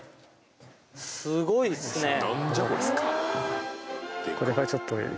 すごいっすね。